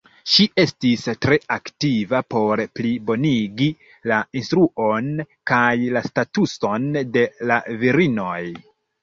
Ŝi estis tre aktiva por plibonigi la instruon kaj la statuson de la virinoj.